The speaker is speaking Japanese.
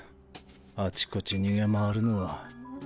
あちこち逃げ回るのは。